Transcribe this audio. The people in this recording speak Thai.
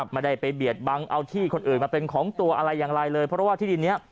ไม่ได้ไปเบียดบังเอาที่คนอื่นมาเป็นของตัวอะไรอย่างไรเลยเพราะว่าที่ดินนี้